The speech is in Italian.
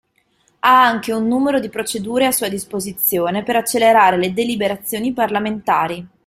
Ha anche un numero di procedure a sua disposizione per accelerare le deliberazioni parlamentari.